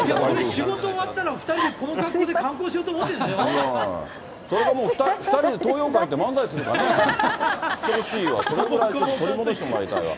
仕事終わったら、２人でこの格好で観光しようと思ってるんでそれかもう、２人で東洋館行って漫才するかね、してほしいわ。